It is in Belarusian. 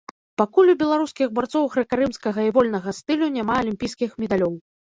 Пакуль у беларускіх барцоў грэка-рымскага і вольнага стылю няма алімпійскіх медалёў.